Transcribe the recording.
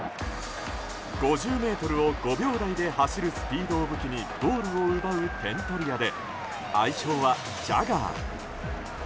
５０ｍを５秒台で走るスピードを武器にゴールを奪う点取り屋で愛称はジャガー。